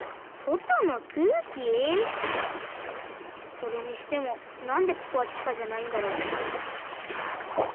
それにしてもなんでここは地下じゃないんだろう？